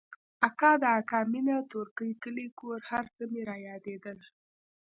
اکا د اکا مينه تورکى کلى کور هرڅه مې رايادېدل.